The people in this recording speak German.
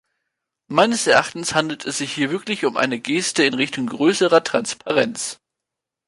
Meines Erachtens handelt es sich hier wirklich um eine Geste in Richtung größerer Transparenz.